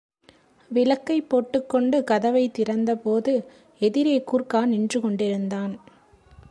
விளக்கைப் போட்டுக் கொண்டு கதவைத் திறந்தபோது, எதிரே கூர்க்கா நின்று கொண்டிருந் தான்.